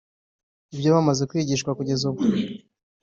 Ibyo bamaze kwigishwa kugeza ubu